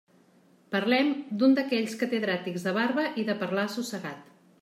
Parlem d'un d'aquells catedràtics de barba i de parlar assossegat.